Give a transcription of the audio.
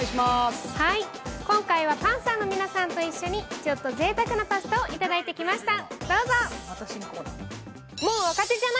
今回はパンサーの皆さんと一緒に、ちょっとぜいたくなパスタをいただいてきました。